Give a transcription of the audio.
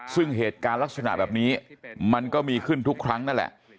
ซึ่งเหตุการณ์ลักษณะแบบนี้มันก็มีขึ้นทุกครั้งนั่นแหละ